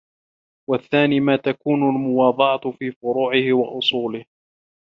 وَالثَّانِي مَا تَكُونُ الْمُوَاضَعَةُ فِي فُرُوعِهِ وَأُصُولِهِ